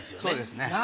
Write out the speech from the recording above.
そうですね。